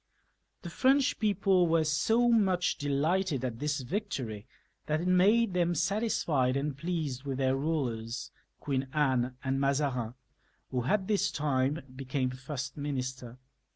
The French people were so much delighted at this victory that it made them satisfied and pleased with their rulers, Queen Amie and Mazarin, who at this time became first minister.